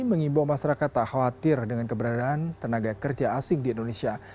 mengimbau masyarakat tak khawatir dengan keberadaan tenaga kerja asing di indonesia